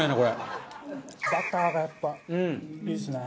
バターがやっぱいいですね。